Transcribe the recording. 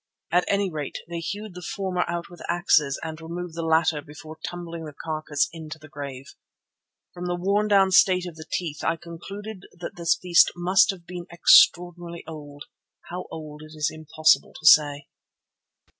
At any rate they hewed the former out with axes and removed the latter before tumbling the carcass into the grave. From the worn down state of the teeth I concluded that this beast must have been extraordinarily old, how old it is impossible to say.